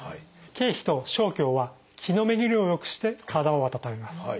桂皮と生姜は「気」の巡りをよくして体を温めます。